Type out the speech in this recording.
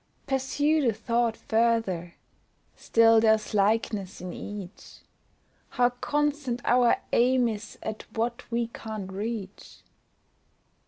Pursue the thought further, still there's likeness in each, How constant our aim is at what we can't reach.